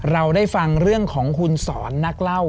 เราได้ฟังเรื่องของคุณสอนนักเล่า